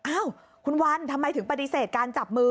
อ้าวคุณวันทำไมถึงปฏิเสธการจับมือ